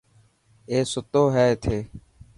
اي ستو هي اٿي.